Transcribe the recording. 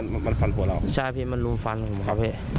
มันฟันผัวเราครับใช่มันลุมฟันครับ